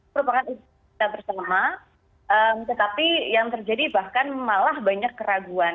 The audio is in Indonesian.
merupakan kita bersama tetapi yang terjadi bahkan malah banyak keraguan